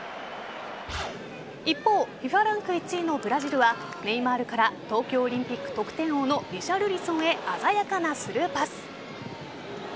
一方ＦＩＦＡランク１位のブラジルはネイマールから東京オリンピック得点王のリシャルリソンへ鮮やかなスルーパス。